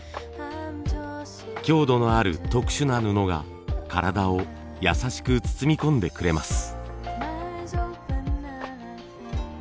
強度のある特殊な布が体を優しく包み込んでくれます。